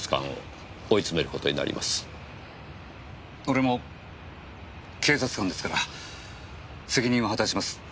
俺も警察官ですから責任は果たします。